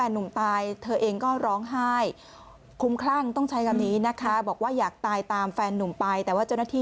หนูไม่ได้ปากใครจะหวังเขาเหมือนจะต่อยหนู